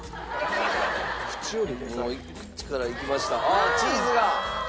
ああチーズが！